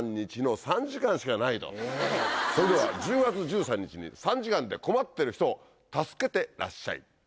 それでは１０月１３日に３時間で困ってる人を助けてらっしゃい。